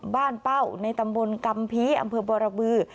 บ้านเป้าในตำบลกรรมภีร์อำเภอบรบรบือ